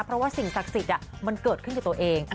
เพราะว่าสิ่งศักดิ์สิทธิ์มันเกิดขึ้นกับตัวเอง